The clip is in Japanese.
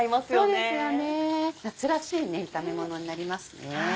そうですよね夏らしい炒めものになりますね。